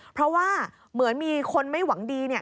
เพราะว่าเหมือนมีคนไม่หวังดีเนี่ย